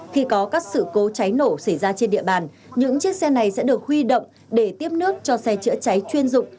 khi có các sự cố cháy nổ xảy ra trên địa bàn những chiếc xe này sẽ được huy động để tiếp nước cho xe chữa cháy chuyên dụng